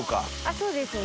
そうですね。